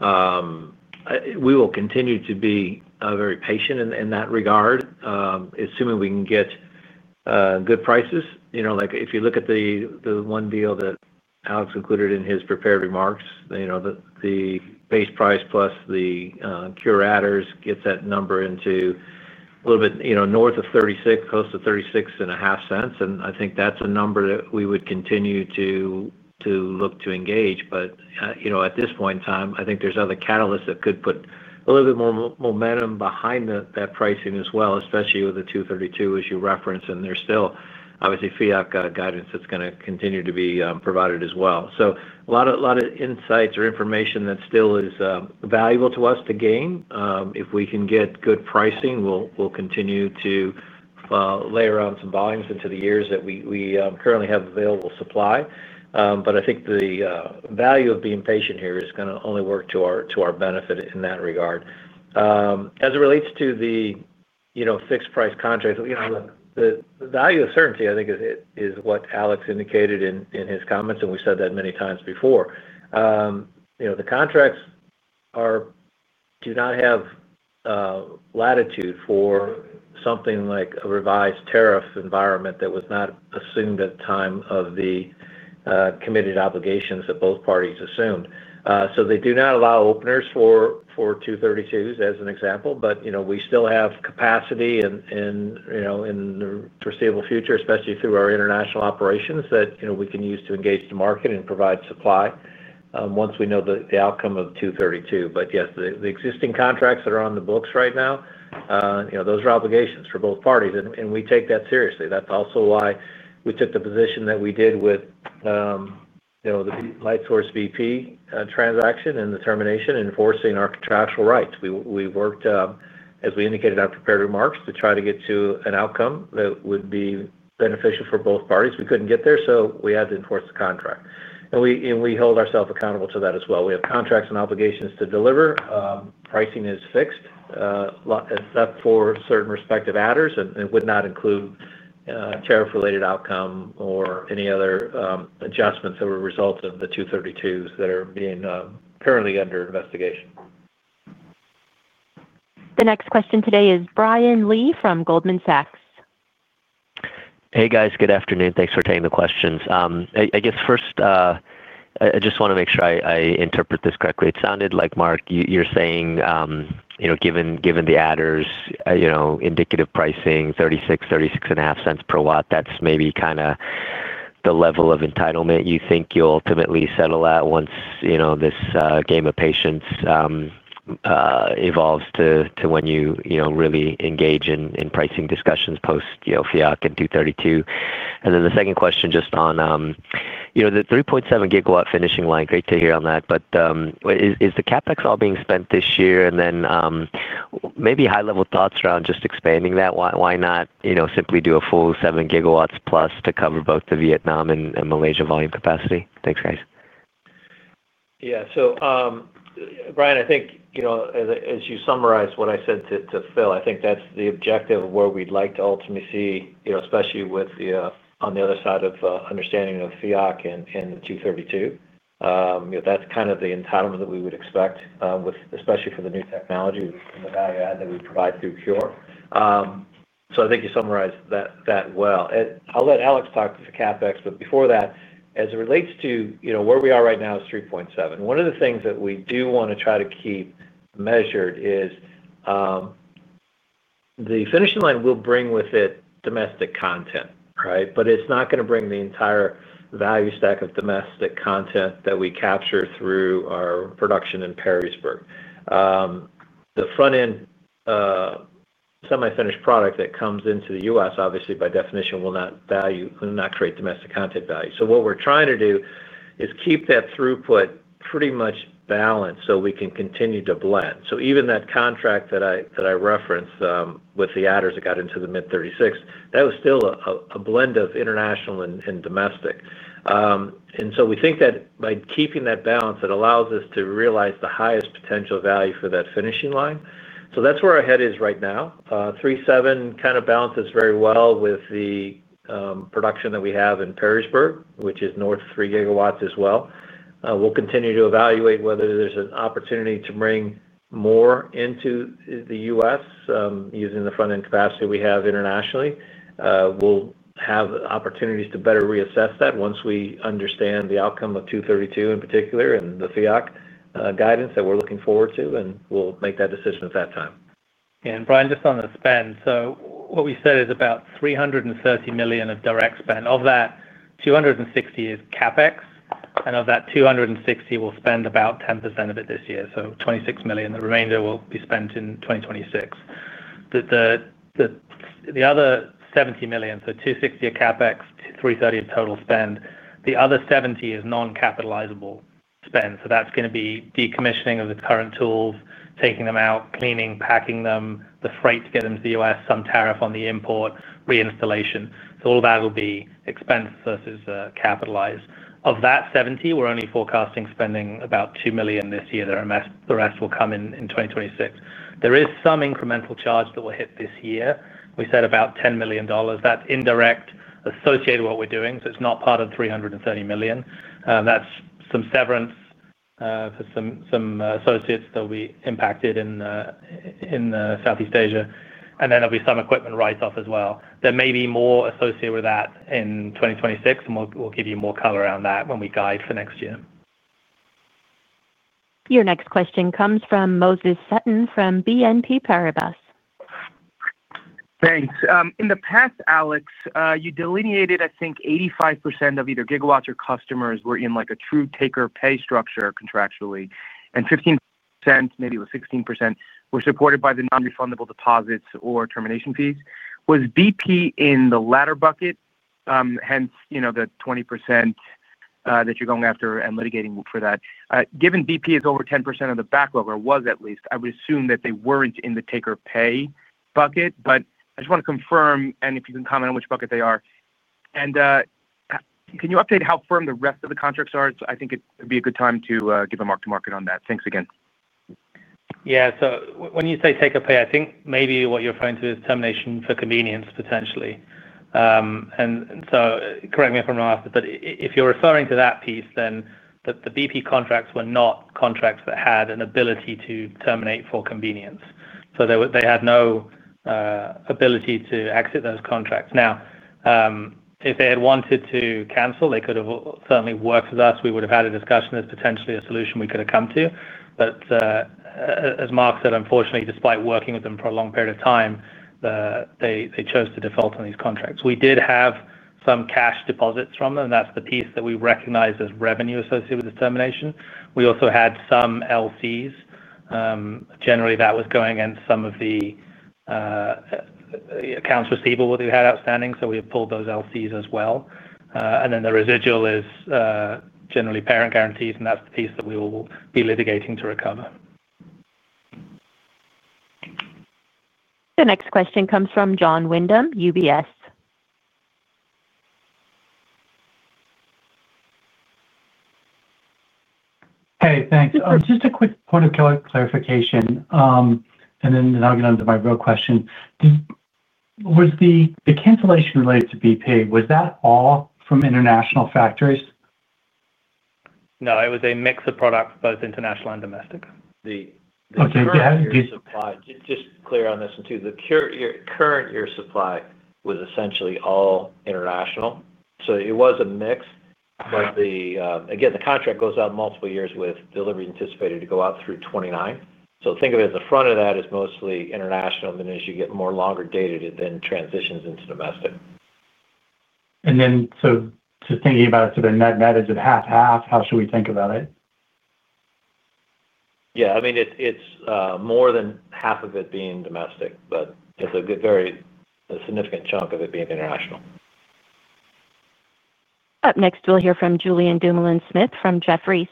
we will continue to be very patient in that regard, assuming we can get good prices. If you look at the one deal that Alex included in his prepared remarks, the base price plus the curators gets that number into a little bit north of $0.36, close to $0.365. I think that's a number that we would continue to look to engage. At this point in time, I think there's other catalysts that could put a little bit more momentum behind that pricing as well, especially with the Section 232 tariffs, as you referenced. There's still, obviously, FEOC guidance that's going to continue to be provided as well. A lot of insights or information that still is valuable to us to gain. If we can get good pricing, we'll continue to layer on some volumes into the years that we currently have available supply. I think the value of being patient here is going to only work to our benefit in that regard. As it relates to the fixed-price contracts, the value of certainty, I think, is what Alex indicated in his comments, and we said that many times before. The contracts do not have latitude for something like a revised tariff environment that was not assumed at the time of the committed obligations that both parties assumed. They do not allow openers for Section 232 tariffs, as an example. We still have capacity in the foreseeable future, especially through our international operations, that we can use to engage the market and provide supply once we know the outcome of Section 232 tariffs. Yes, the existing contracts that are on the books right now, those are obligations for both parties, and we take that seriously. That's also why we took the position that we did with Light Source BP transaction and the termination enforcing our contractual rights. We worked, as we indicated in our prepared remarks, to try to get to an outcome that would be beneficial for both parties. We couldn't get there, so we had to enforce the contract. We hold ourselves accountable to that as well. We have contracts and obligations to deliver. Pricing is fixed except for certain respective adders, and it would not include tariff-related outcome or any other adjustments that were a result of the Section 232 tariffs that are being currently under investigation. The next question today is Brian Lee from Goldman Sachs. Hey, guys. Good afternoon. Thanks for taking the questions. I guess, first, I just want to make sure I interpret this correctly. It sounded like, Mark, you're saying, given the adders, indicative pricing, $0.36, $0.365 per watt, that's maybe kind of the level of entitlement you think you'll ultimately settle at once this game of patience evolves to when you really engage in pricing discussions post-FEOC and Section 232 tariffs. The second question, just on the 3.7 GW finishing line, great to hear on that. Is the CapEx all being spent this year? Maybe high-level thoughts around just expanding that? Why not simply do a full 7 GW plus to cover both the Vietnam and Malaysia volume capacity? Thanks, guys. Yeah. Brian, I think as you summarized what I said to Phil, I think that's the objective of where we'd like to ultimately see, especially with the understanding of FEOC and Section 232 tariffs. That's kind of the entitlement that we would expect, especially for the new technology and the value add that we provide through CuRe. I think you summarized that well. I'll let Alex talk to the CapEx. Before that, as it relates to where we are right now, 3.7 is one of the things that we do want to try to keep measured. The finishing line will bring with it domestic content, right? It's not going to bring the entire value stack of domestic content that we capture through our production in Perrysburg. The front-end semi-finished product that comes into the U.S., obviously, by definition, will not create domestic content value. What we're trying to do is keep that throughput pretty much balanced so we can continue to blend. Even that contract that I referenced with the adders that got into the mid-$0.36, that was still a blend of international and domestic. We think that by keeping that balance, it allows us to realize the highest potential value for that finishing line. That's where our head is right now. 3.7 kind of balances very well with the production that we have in Perrysburg, which is north of 3 GW as well. We'll continue to evaluate whether there's an opportunity to bring more into the U.S. using the front-end capacity we have internationally. We'll have opportunities to better reassess that once we understand the outcome of Section 232 tariffs in particular and the FEOC guidance that we're looking forward to. We'll make that decision at that time. Brian, just on the spend, what we said is about $330 million of direct spend. Of that, $260 million is CapEx, and of that $260 million, we'll spend about 10% of it this year, so $26 million. The remainder will be spent in 2026. The other $70 million, so $260 million of CapEx, $330 million of total spend, the other $70 million is non-capitalizable spend. That's going to be decommissioning of the current tools, taking them out, cleaning, packing them, the freight to get them to the U.S., some tariff on the import, reinstallation. All of that will be expense versus capitalized. Of that $70 million, we're only forecasting spending about $2 million this year. The rest will come in 2026. There is some incremental charge that will hit this year. We said about $10 million. That's indirect, associated with what we're doing. It's not part of the $330 million. That's some severance for some associates that will be impacted in Southeast Asia. There'll be some equipment write-off as well. There may be more associated with that in 2026, and we'll give you more color on that when we guide for next year. Your next question comes from Moses Sutton from BNP Paribas. Thanks. In the past, Alex, you delineated, I think, 85% of either gigawatts or customers were in a true take-or-pay structure contractually, and 15%, maybe it was 16%, were supported by the non-refundable deposits or termination fees. Was BP in the latter bucket, hence the 20% that you're going after and litigating for that? Given BP is over 10% of the backlog, or was at least, I would assume that they weren't in the take-or-pay bucket. I just want to confirm, and if you can comment on which bucket they are. Can you update how firm the rest of the contracts are? I think it would be a good time to give a mark-to-market on that. Thanks again. Yeah. When you say take-or-pay, I think maybe what you're referring to is termination for convenience, potentially. Correct me if I'm wrong, Alex, but if you're referring to that piece, then the BP contracts were not contracts that had an ability to terminate for convenience. They had no ability to exit those contracts. If they had wanted to cancel, they could have certainly worked with us. We would have had a discussion. That's potentially a solution we could have come to. As Mark said, unfortunately, despite working with them for a long period of time, they chose to default on these contracts. We did have some cash deposits from them. That's the piece that we recognize as revenue associated with this termination. We also had some LCs. Generally, that was going against some of the accounts receivable that we had outstanding. We have pulled those LCs as well. The residual is generally parent guarantees, and that's the piece that we will be litigating to recover. The next question comes from Jon Windham, UBS. Hey, thanks. Just a quick point of clarification, and then I'll get on to my real question. Was the cancellation related to BP? Was that all from international factories? No, it was a mix of products, both international and domestic. The current year supply—just clear on this too—the current year supply was essentially all international. It was a mix. The contract goes out multiple years with delivery anticipated to go out through 2029. Think of it as the front of that is mostly international, and as you get more longer dated, it then transitions into domestic. Thinking about it, is that a half-half? How should we think about it? Yeah. I mean, it's more than half of it being domestic, but it's a very significant chunk of it being international. Up next, we'll hear from Julien Dumoulin-Smith from Jefferies.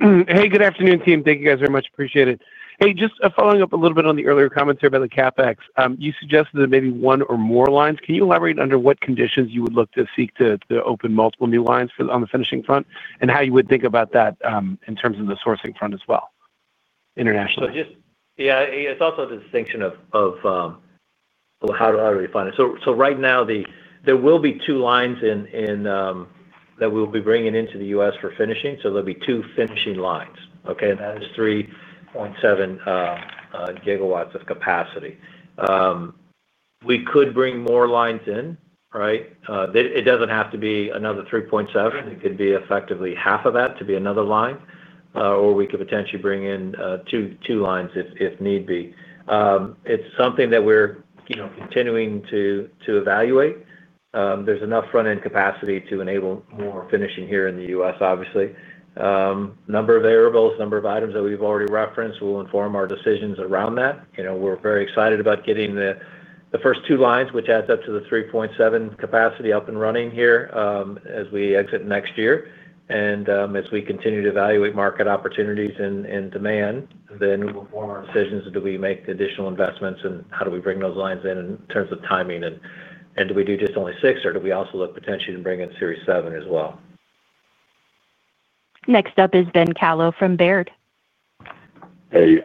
Hey, good afternoon, team. Thank you guys very much. Appreciate it. Hey, just following up a little bit on the earlier commentary about the CapEx, you suggested that maybe one or more lines. Can you elaborate under what conditions you would look to seek to open multiple new lines on the finishing front, and how you would think about that in terms of the sourcing front as well? Internationally? Yeah. It's also the distinction of how do we define it. Right now, there will be two lines that we will be bringing into the U.S. for finishing. There'll be two finishing lines, okay? That is 3.7 GW of capacity. We could bring more lines in, right? It doesn't have to be another 3.7. It could be effectively half of that to be another line, or we could potentially bring in two lines if need be. It's something that we're continuing to evaluate. There's enough front-end capacity to enable more finishing here in the U.S., obviously. Number of variables, number of items that we've already referenced will inform our decisions around that. We're very excited about getting the first two lines, which adds up to the 3.7 capacity, up and running here as we exit next year. As we continue to evaluate market opportunities and demand, we'll form our decisions. Do we make additional investments, and how do we bring those lines in in terms of timing? Do we do just only six, or do we also look potentially to bring in Series 7 as well? Next up is Ben Kallo from Baird. Hey,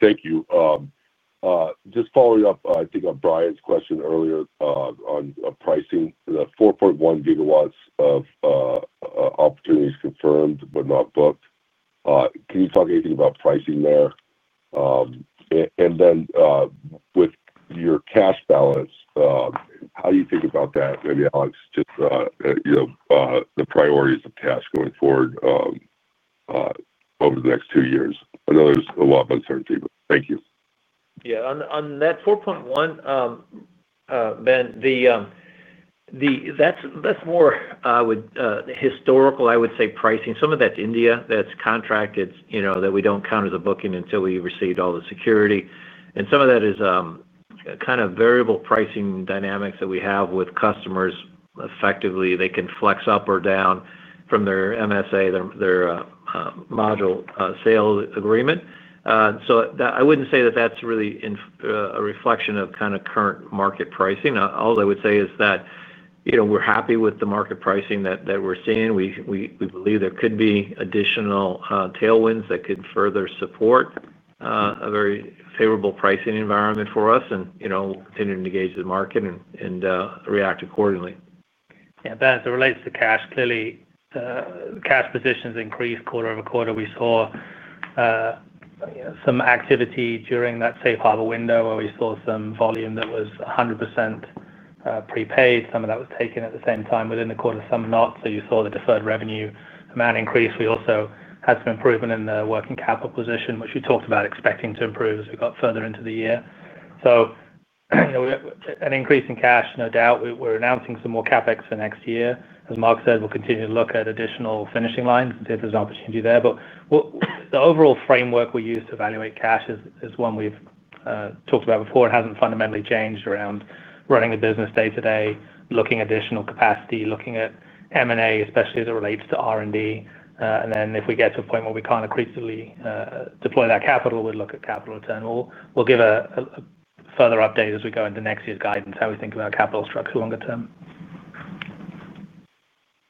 thank you. Just following up, I think, on Brian's question earlier on pricing, the 4.1 GW of opportunities confirmed but not booked. Can you talk anything about pricing there? With your cash balance, how do you think about that? Maybe, Alex, just the priorities of cash going forward over the next two years. I know there's a lot of uncertainty, but thank you. Yeah. On that 4.1, Ben, that's more historical, I would say, pricing. Some of that's India. That's contract that we don't count as a booking until we've received all the security. Some of that is kind of variable pricing dynamics that we have with customers. Effectively, they can flex up or down from their MSA, their module sale agreement. I wouldn't say that that's really a reflection of current market pricing. All I would say is that we're happy with the market pricing that we're seeing. We believe there could be additional tailwinds that could further support a very favorable pricing environment for us, and we'll continue to engage the market and react accordingly. Yeah. As it relates to cash, clearly cash positions increased quarter over quarter. We saw some activity during that safe harbor window where we saw some volume that was 100% prepaid. Some of that was taken at the same time within the quarter, some not. You saw the deferred revenue amount increase. We also had some improvement in the working capital position, which we talked about expecting to improve as we got further into the year. An increase in cash, no doubt. We're announcing some more CapEx for next year. As Mark said, we'll continue to look at additional finishing lines and see if there's an opportunity there. The overall framework we use to evaluate cash is one we've talked about before. It hasn't fundamentally changed around running the business day-to-day, looking at additional capacity, looking at M&A, especially as it relates to R&D. If we get to a point where we can't accretively deploy that capital, we'd look at capital return. We'll give a further update as we go into next year's guidance, how we think about capital structure longer term.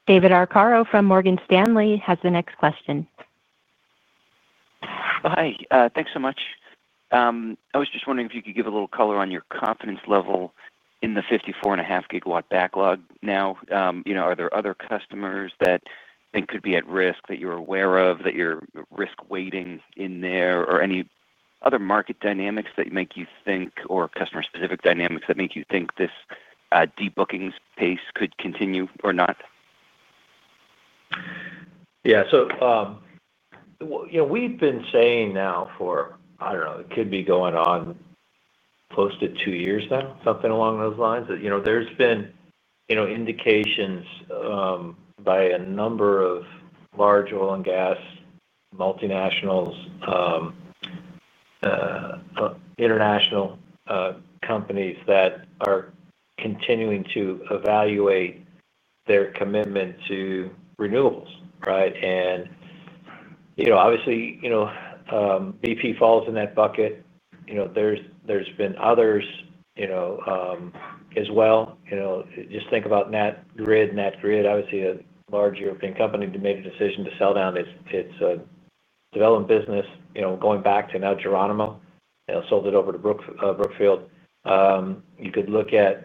David Arcaro from Morgan Stanley has a next question. Hi. Thanks so much. I was just wondering if you could give a little color on your confidence level in the 54.5 GW backlog now. Are there other customers that could be at risk that you're aware of, that you're risk-weighting in there, or any other market dynamics that make you think, or customer-specific dynamics that make you think this debooking pace could continue or not? We've been saying now for, I don't know, it could be going on close to two years now, something along those lines, that there's been indications by a number of large oil and gas multinationals, international companies that are continuing to evaluate their commitment to renewables, right? Obviously, BP falls in that bucket. There's been others as well. Just think about National Grid. National Grid, obviously, a large European company that made a decision to sell down its development business, going back to now Geronimo. They sold it over to Brookfield. You could look at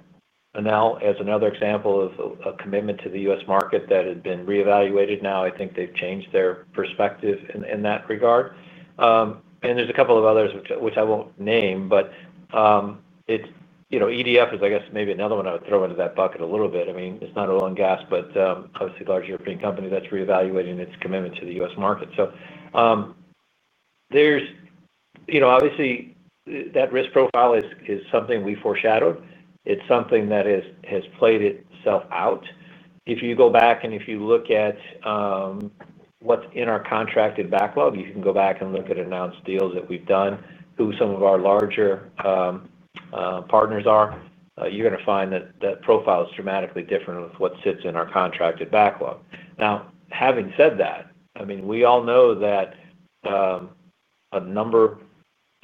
Enel as another example of a commitment to the U.S. market that had been reevaluated. I think they've changed their perspective in that regard. There's a couple of others which I won't name, but EDF is, I guess, maybe another one I would throw into that bucket a little bit. I mean, it's not oil and gas, but obviously a large European company that's reevaluating its commitment to the U.S. market. That risk profile is something we foreshadowed. It's something that has played itself out. If you go back and if you look at what's in our contracted backlog, you can go back and look at announced deals that we've done, who some of our larger partners are, you're going to find that that profile is dramatically different with what sits in our contracted backlog. Now, having said that, we all know that a number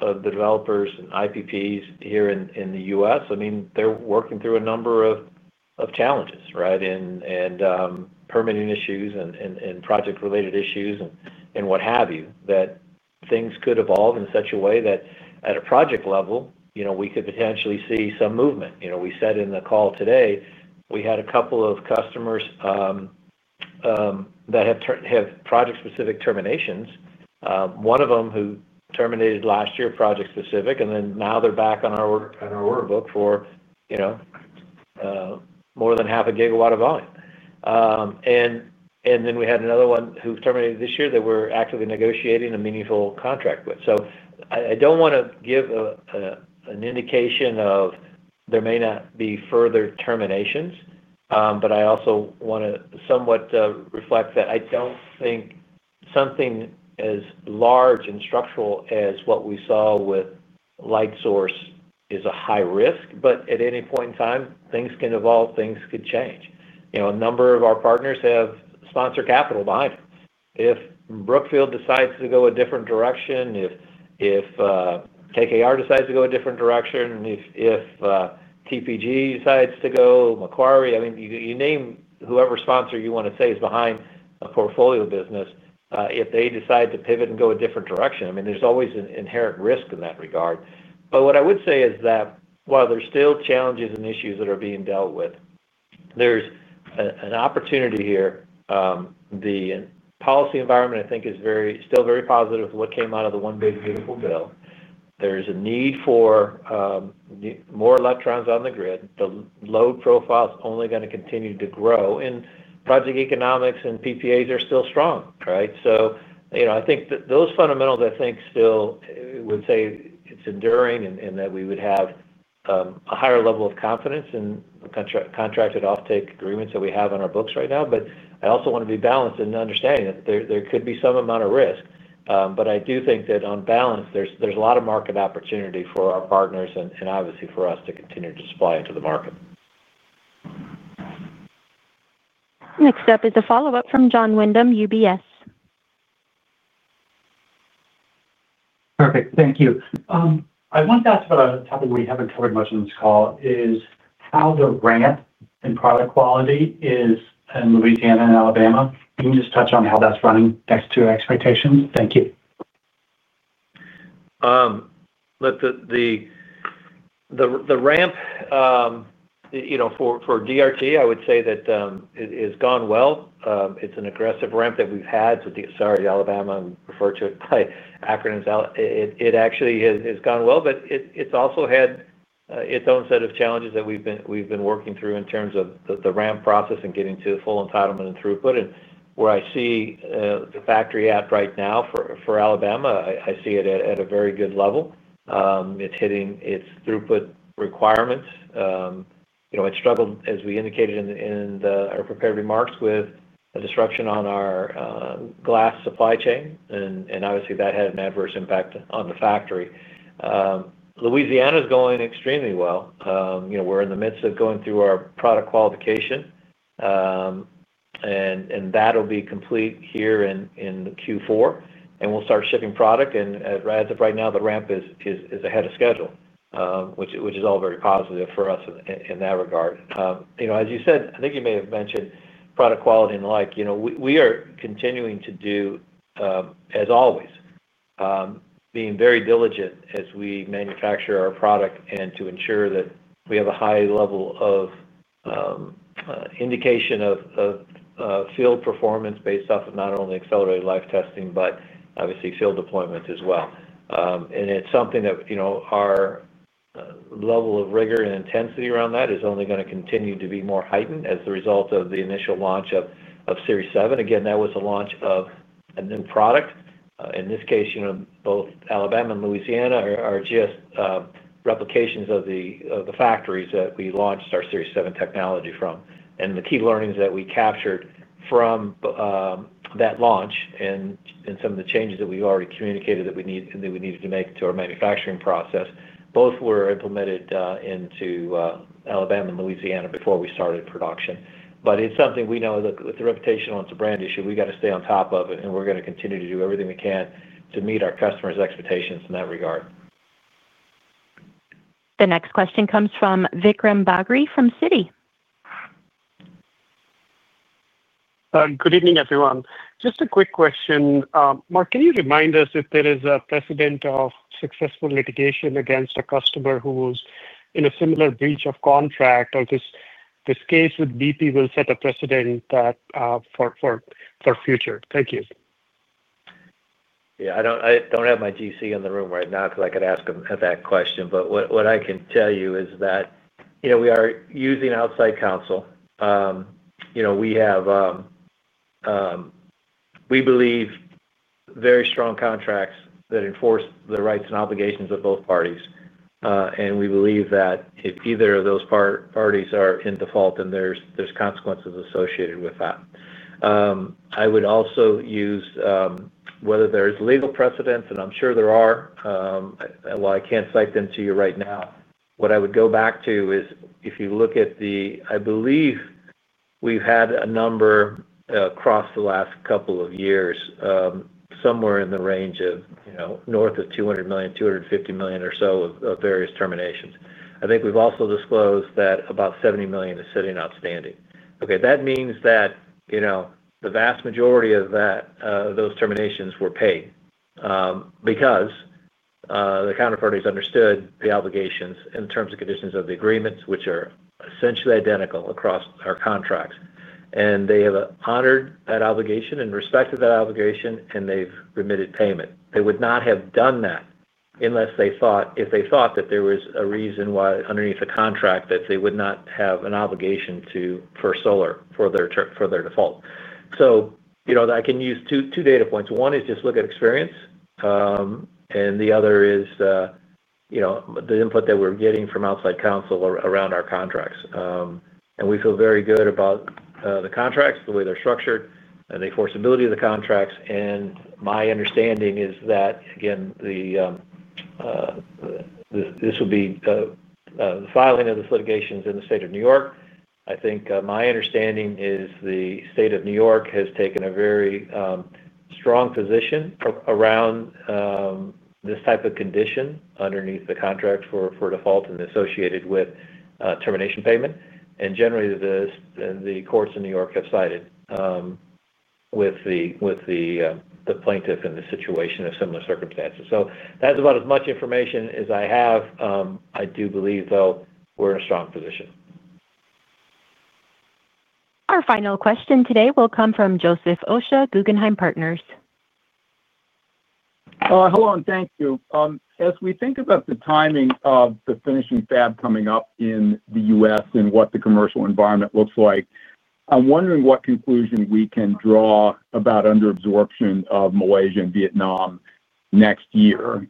of developers and IPPs here in the U.S., they're working through a number of challenges, right, and permitting issues and project-related issues and what have you, that things could evolve in such a way that at a project level, we could potentially see some movement. We said in the call today, we had a couple of customers that have project-specific terminations. One of them who terminated last year, project-specific, and then now they're back on our order book for more than half a gigawatt of volume. Then we had another one who terminated this year that we're actively negotiating a meaningful contract with. I don't want to give an indication that there may not be further terminations, but I also want to somewhat reflect that I don't think something as large and structural as what we saw with Light Source is a high risk. At any point in time, things can evolve. Things could change. A number of our partners have sponsor capital behind it. If Brookfield decides to go a different direction, if KKR decides to go a different direction, if TPG decides to go, Macquarie, I mean, you name whoever sponsor you want to say is behind a portfolio business, if they decide to pivot and go a different direction, there's always an inherent risk in that regard. What I would say is that while there are still challenges and issues that are being dealt with, there's an opportunity here. The policy environment, I think, is still very positive with what came out of the One Big Beautiful Bill. There's a need for more electrons on the grid. The load profile is only going to continue to grow, and project economics and PPAs are still strong, right? I think those fundamentals still would say it's enduring and that we would have a higher level of confidence in the contracted offtake agreements that we have on our books right now. I also want to be balanced in understanding that there could be some amount of risk. I do think that on balance, there's a lot of market opportunity for our partners and obviously for us to continue to supply into the market. Next up is a follow-up from Jon Windham, UBS. Perfect. Thank you. I want to ask about a topic we haven't covered much in this call, which is how the ramp and product quality is in Louisiana and Alabama. Can you just touch on how that's running next to expectations? Thank you. The ramp for DRT, I would say, has gone well. It's an aggressive ramp that we've had. Sorry, Alabama, refer to it by acronyms. It actually has gone well, but it's also had its own set of challenges that we've been working through in terms of the ramp process and getting to the full entitlement and throughput. Where I see the factory at right now for Alabama, I see it at a very good level. It's hitting its throughput requirements. It struggled, as we indicated in our prepared remarks, with a disruption on our glass supply chain, and obviously, that had an adverse impact on the factory. Louisiana is going extremely well. We're in the midst of going through our product qualification, and that'll be complete here in Q4. We will start shipping product. As of right now, the ramp is ahead of schedule, which is all very positive for us in that regard. As you said, I think you may have mentioned product quality and the like. We are continuing to do, as always, being very diligent as we manufacture our product to ensure that we have a high level of indication of field performance based off of not only accelerated life testing, but obviously field deployment as well. Our level of rigor and intensity around that is only going to continue to be more heightened as the result of the initial launch of Series 7. That was the launch of a new product. In this case, both Alabama and Louisiana are just replications of the factories that we launched our Series 7 technology from. The key learnings that we captured from that launch and some of the changes that we've already communicated that we needed to make to our manufacturing process, both were implemented into Alabama and Louisiana before we started production. We know with the reputation on, it's a brand issue, we have to stay on top of it, and we're going to continue to do everything we can to meet our customers' expectations in that regard. The next question comes from Vikram Bagri from Citi. Good evening, everyone. Just a quick question. Mark, can you remind us if there is a precedent of successful litigation against a customer who was in a similar breach of contract, or this case with BP will set a precedent for the future? Thank you. I don't have my General Counsel in the room right now because I could ask him that question. What I can tell you is that we are using outside counsel. We believe we have very strong contracts that enforce the rights and obligations of both parties, and we believe that if either of those parties are in default, then there's consequences associated with that. Whether there is legal precedent, and I'm sure there are, I can't cite them to you right now. What I would go back to is if you look at the, I believe we've had a number across the last couple of years, somewhere in the range of north of $200 million, $250 million or so of various terminations. I think we've also disclosed that about $70 million is sitting outstanding. That means that the vast majority of those terminations were paid because. The counterparties understood the obligations and the terms and conditions of the agreements, which are essentially identical across our contracts. They have honored that obligation and respected that obligation, and they've remitted payment. They would not have done that unless they thought, if they thought that there was a reason why underneath the contract, that they would not have an obligation for First Solar for their default. I can use two data points. One is just look at experience. The other is the input that we're getting from outside counsel around our contracts. We feel very good about the contracts, the way they're structured, and the enforceability of the contracts. My understanding is that, again, this would be the filing of this litigation is in the state of New York. I think my understanding is the state of New York has taken a very strong position around this type of condition underneath the contract for default and associated with termination payment. Generally, the courts in New York have sided with the plaintiff in the situation of similar circumstances. That's about as much information as I have. I do believe, though, we're in a strong position. Our final question today will come from Joseph Osha, Guggenheim Partners. Hold on. Thank you. As we think about the timing of the finishing fab coming up in the U.S. and what the commercial environment looks like, I'm wondering what conclusion we can draw about underabsorption of Malaysia and Vietnam next year.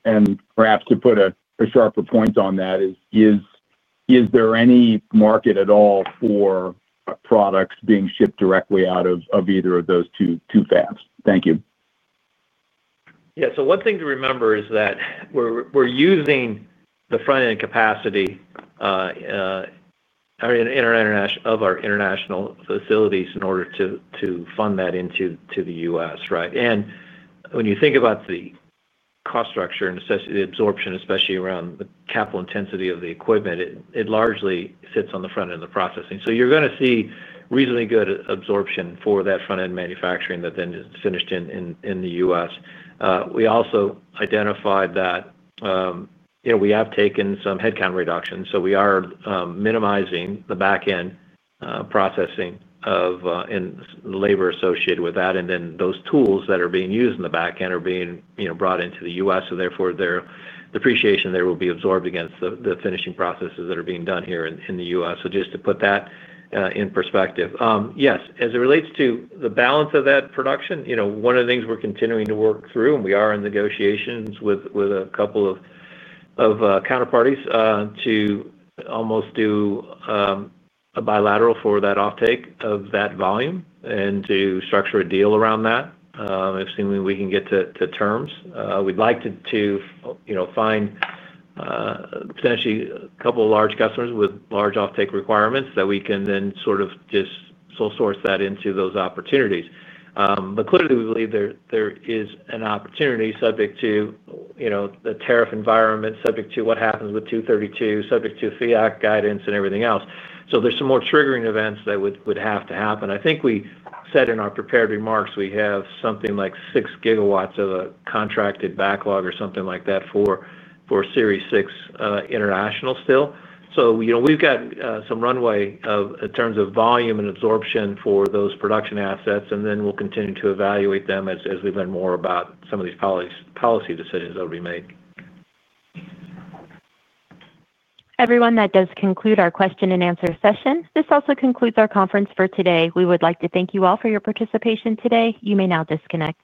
Perhaps to put a sharper point on that, is there any market at all for products being shipped directly out of either of those two fabs? Thank you. Yeah. One thing to remember is that we're using the front-end capacity of our international facilities in order to fund that into the U.S., right? When you think about the cost structure and the absorption, especially around the capital intensity of the equipment, it largely sits on the front end of the processing. You're going to see reasonably good absorption for that front-end manufacturing that then is finished in the U.S. We also identified that we have taken some headcount reductions. We are minimizing the back-end processing of the labor associated with that. Those tools that are being used in the back end are being brought into the U.S. Therefore, the depreciation there will be absorbed against the finishing processes that are being done here in the U.S. Just to put that in perspective, yes. As it relates to the balance of that production, one of the things we're continuing to work through, we are in negotiations with a couple of counterparties to almost do a bilateral for that offtake of that volume and to structure a deal around that. If we can get to terms, we'd like to find potentially a couple of large customers with large offtake requirements that we can then sort of just sole-source that into those opportunities. Clearly, we believe there is an opportunity subject to the tariff environment, subject to what happens with Section 232, subject to FEOC guidance, and everything else. There are some more triggering events that would have to happen. I think we said in our prepared remarks we have something like 6 gigawatts of a contracted backlog or something like that for Series 6 international still. We've got some runway in terms of volume and absorption for those production assets, and we'll continue to evaluate them as we learn more about some of these policy decisions that will be made. Everyone, that does conclude our question-and-answer session. This also concludes our conference for today. We would like to thank you all for your participation today. You may now disconnect.